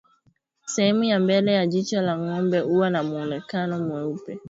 Sehemu ya mbele ya jicho la ngombe huwa na mwonekano mweupe